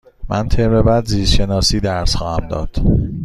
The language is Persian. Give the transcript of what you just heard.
من ترم بعد زیست شناسی درس خواهم داد.